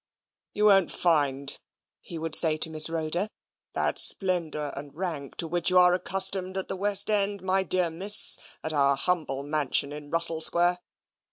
"You won't find," he would say to Miss Rhoda, "that splendour and rank to which you are accustomed at the West End, my dear Miss, at our humble mansion in Russell Square.